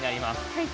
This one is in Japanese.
はい！